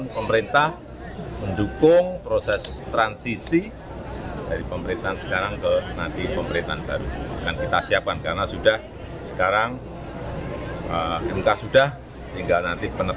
pemerintah mendukung proses transisi dari pemerintahan sekarang ke nanti pemerintahan